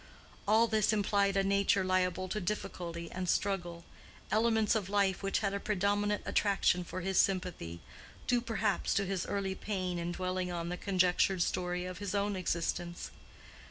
All this implied a nature liable to difficulty and struggle—elements of life which had a predominant attraction for his sympathy, due perhaps to his early pain in dwelling on the conjectured story of his own existence.